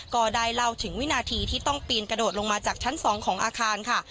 ก็ได้เล่าถึงวินาทีที่ต้องปีนกระโดดลงมาจากชั้น๒ของอาคารค่ะ